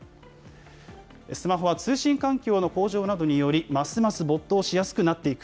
スマホは通信環境の向上などにより、ますます没頭しやすくなっていく。